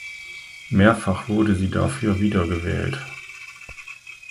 Mehrfach wurde sie dafür wiedergewählt.